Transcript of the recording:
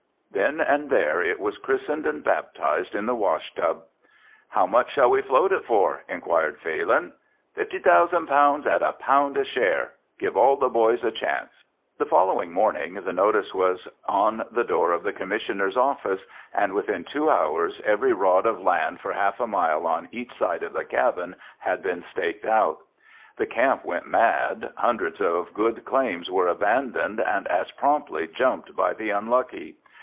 Then and there it was christened and baptised in the wash tub. "How much shall we float it for?" inquired Phalin. "Fifty thousand pounds at a pound a share. Give all the boys a chance." The following morning the notice was on the door of the Commissioner's office and within two hours every rod of land for half a mile on each side of the cabin had been staked out. The camp went mad, hundreds of good claims were abandoned and as promptly jumped by the unlucky.